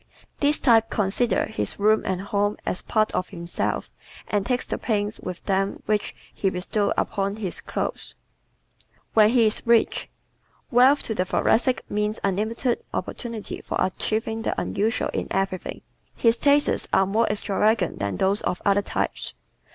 This type considers his room and home as a part of himself and takes the pains with them which he bestows upon his clothes. When He is Rich ¶ Wealth to the Thoracic means unlimited opportunity for achieving the unusual in everything. His tastes are more extravagant than those of other types.